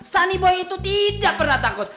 sani boy itu tidak pernah takut